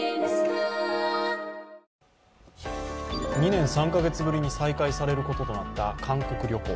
２年３カ月ぶりに再開されることとなった韓国旅行。